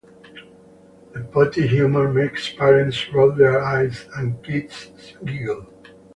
The potty humor makes parents roll their eyes and kids giggle.